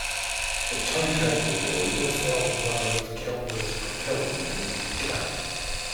The tow cable, however, fouled one of "Kelvin"s propellers and had to be cut.